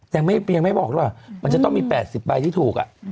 ยังไม่บอกหรือเปล่ามันจะต้องมี๘๐ใบที่ถูก